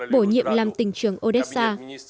bổ nhiệm làm tỉnh trường odessa